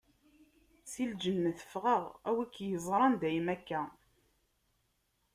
Si lǧennet ffɣeɣ, a wi k-yeẓran dayem akka!